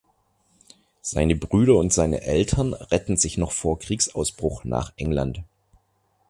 Seine Brüder und seine Eltern retten sich noch vor Kriegsausbruch nach England.